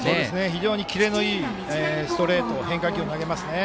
非常にキレのいいストレート、変化球を投げますね。